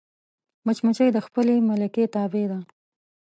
مچمچۍ د خپلې ملکې تابع ده